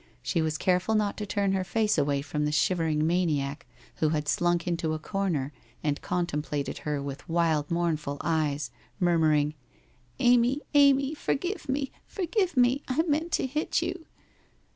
She was careful not to turn her face away from the shivering maniac who had slunk into a corner and contemplated her with wild mournful eyes, murmuring, ' Amy, Amy, forgive me ! Forgive me ! I meant to hit you.'